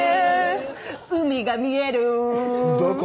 「海が見える」「どこ？